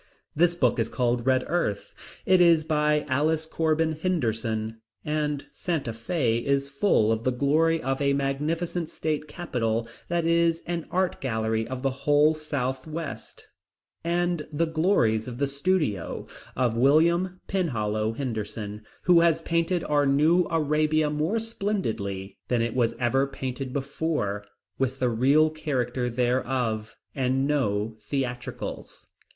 This book is called Red Earth. It is by Alice Corbin Henderson. And Santa Fe is full of the glory of a magnificent State Capitol that is an art gallery of the whole southwest, and the glories of the studio of William Penhallow Henderson, who has painted our New Arabia more splendidly than it was ever painted before, with the real character thereof, and no theatricals.